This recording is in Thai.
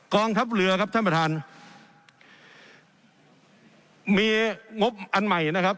กองทัพเรือครับท่านประธานมีงบอันใหม่นะครับ